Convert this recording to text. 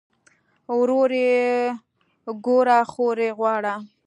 ورور ئې ګوره خور ئې غواړه